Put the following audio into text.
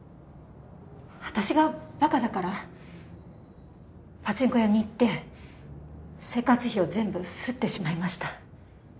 私がばかだから、パチンコ屋に行って、生活費を全部すってしまいました。